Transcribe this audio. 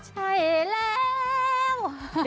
ใช่แล้ว